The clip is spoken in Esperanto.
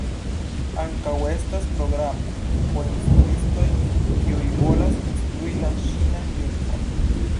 Ankaŭ estas programo por instruistoj, kiuj volas instrui la ĉinan lingvon.